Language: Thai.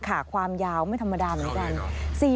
ความยาวไม่ธรรมดาเหมือนกัน